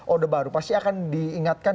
orde baru pasti akan diingatkan